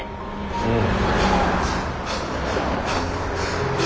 うん。